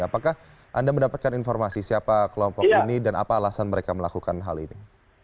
apakah anda mendapatkan informasi siapa kelompok ini dan apa alasan mereka melakukan hal ini